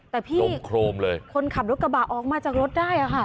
แต่พี่ลมโครมเลยคนขับรถกระบะออกมาจากรถได้อ่ะค่ะ